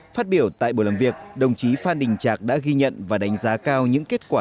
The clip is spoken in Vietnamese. phát biểu tại buổi làm việc đồng chí phan đình trạc đã ghi nhận và đánh giá cao những kết quả